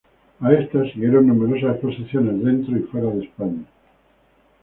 A esta siguieron numerosas exposiciones dentro y fuera de España.